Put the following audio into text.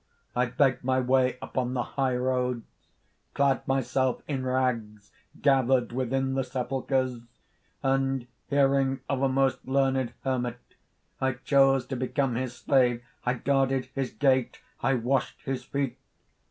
"I begged my way upon the high roads, clad myself in rags gathered within the sepulchres; and, hearing of a most learned hermit, I chose to become his slave. I guarded his gate! I washed his feet.